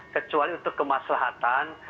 kecuali untuk kemaslahatan